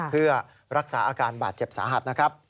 เพื่อรักษาอาการบาดเจ็บสาหัส